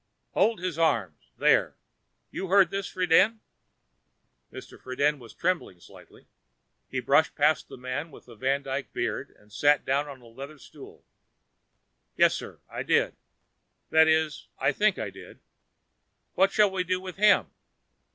"Hold his arms there. You heard this, Friden?" Mr. Friden was trembling slightly. He brushed past a man with a van Dyke beard and sat down on a leather stool. "Yes sir, I did. That is, I think I did. What shall we do with him?"